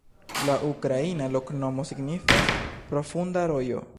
La ukraina loknomo signifas: profunda rojo.